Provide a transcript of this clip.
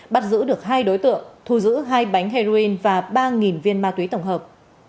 bắt giữ được hai đối tượng thu giữ hai bánh heroin và ba viên ma túy tổng hợp